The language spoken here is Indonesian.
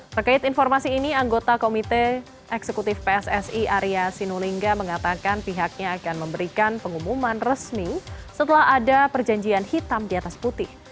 terkait informasi ini anggota komite eksekutif pssi arya sinulinga mengatakan pihaknya akan memberikan pengumuman resmi setelah ada perjanjian hitam di atas putih